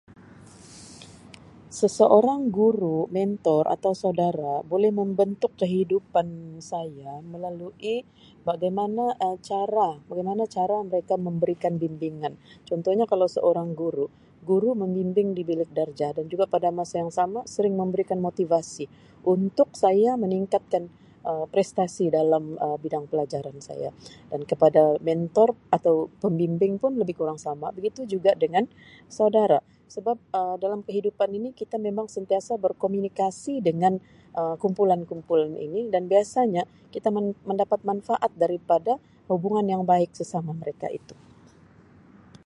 Seseorang guru, mentor atau saudara boleh membentuk kehidupan saya melalui bagaimana Um cara, bagaimana cara mereka memberikan bimbingan. Contohnya kalau seorang guru, guru membimbing di bilik darjah dan juga pada masa yang sama sering memberikan motivasi untuk saya meningkatkan Um prestasi dalam Um bidang pelajaran saya dan kepada mentor atau pembimbing pun lebih kurang sama begitu juga dengan saudara sebab Um dalam kehidupan ini kita memang sentiasa berkomunikasi dengan Um kumpulan-kumpulan ini dan biasanya kita mendapat manfaat daripada hubungan yang baik sesama mereka itu.